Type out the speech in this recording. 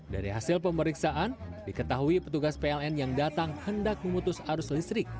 dari hasil pemeriksaan diketahui petugas pln yang datang hendak memutus arus listrik